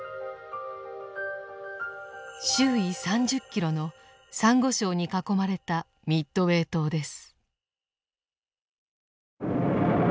周囲３０キロのサンゴ礁に囲まれたミッドウェー島です。